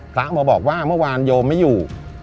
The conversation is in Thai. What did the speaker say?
พระมาบอกว่าเมื่อวานโยมไม่อยู่